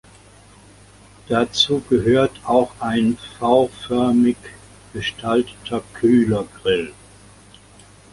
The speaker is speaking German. Dazu gehörte auch ein V-förmig gestalteter Kühlergrill.